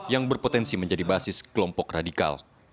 yang berpotensi menjadi basis kelompok radikal